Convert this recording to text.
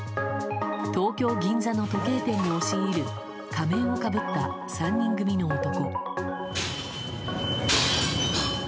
東京・銀座の時計店に押し入る仮面をかぶった３人組の男。